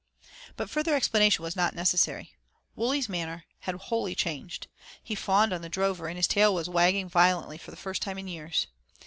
But further explanation was not necessary. Wully's manner had wholly changed. He fawned on the drover, and his tail was wagging violently for the first time in years.